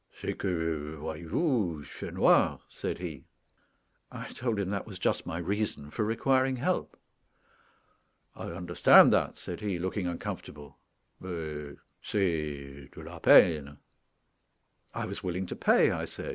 "C'est que, voyez vous, il fait noir," said he. I told him that was just my reason for requiring help. "I understand that," said he, looking uncomfortable; "mais c'est de la peine." I was willing to pay, I said.